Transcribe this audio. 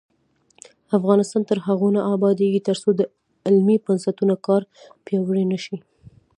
افغانستان تر هغو نه ابادیږي، ترڅو د علمي بنسټونو کار پیاوړی نشي.